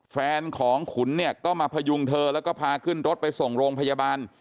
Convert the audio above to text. แฟนของขุนเนี่ยก็มาพยุงเธอแล้วก็พาขึ้นรถไปส่งโรงพยาบาล